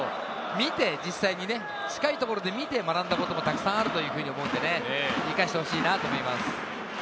見て実際に近いところで見て学んだこともたくさんあると思うので生かしてほしいなと思います。